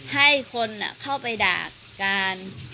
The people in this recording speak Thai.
ให้คนเข้าไปด่าการ